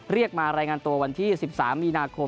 เรียกมารายงานตัววันที่๑๓มีนาคม